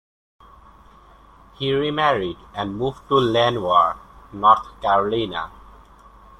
He remarried and moved to Lenoir, North Carolina.